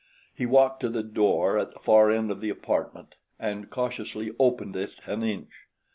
He walked to the door at the far end of the apartment and cautiously opened it an inch.